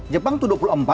jepang itu dua puluh empat